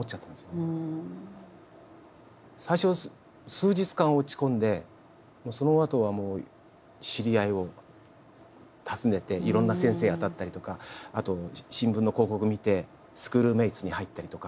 最初は数日間落ち込んでそのあとはもう知り合いを訪ねていろんな先生当たったりとかあと新聞の広告を見てスクールメイツに入ったりとか。